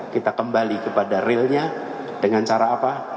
kita kembali kepada realnya dengan cara apa